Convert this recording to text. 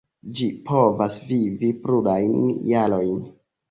Ĝi povas vivi plurajn jarojn.